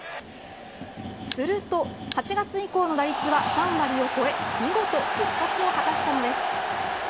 すると８月以降の打率は３割を超え見事、復活を果たしたのです。